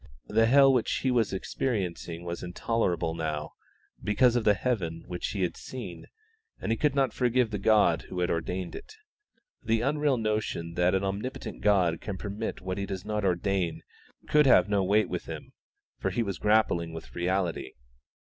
The hell which he was experiencing was intolerable now, because of the heaven which he had seen, and he could not forgive the God who had ordained it. The unreal notion that an omnipotent God can permit what He does not ordain could have no weight with him, for he was grappling with reality.